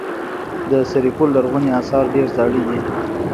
د سرپل لرغوني اثار ډیر زاړه دي